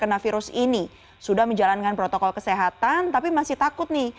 karena virus ini sudah menjalankan protokol kesehatan tapi masih takut nih